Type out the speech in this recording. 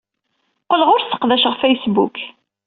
Qqleɣ ur sseqdaceɣ Facebook.